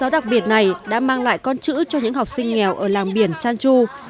điện này đã mang lại con chữ cho những học sinh nghèo ở làng biển trang chu